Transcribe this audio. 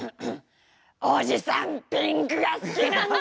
おじさん、ピンクが好きなんだ。